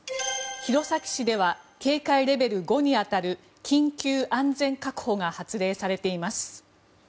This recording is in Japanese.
弘前市では警戒レベル５に当たる緊急安全確保が発令されています。